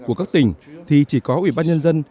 của các tỉnh thì chỉ có ủy ban nhân dân